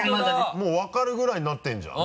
もう分かるぐらいになってるじゃん。